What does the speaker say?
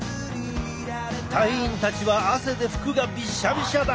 隊員たちは汗で服がビシャビシャだ！